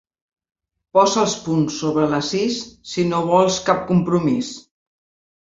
Posa els punts sobre les is si no vols cap compromís.